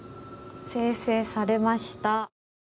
生成されました。